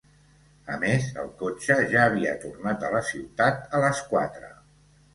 A més, el cotxe ja havia tornat a la ciutat a les quatre.